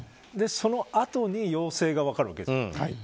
そのあとに陽性が分かるわけですよ。